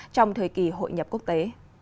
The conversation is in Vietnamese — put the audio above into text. trong thời kỳ hội nhập quốc tế